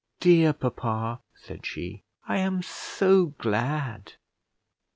"Dear papa," said she, "I am so glad."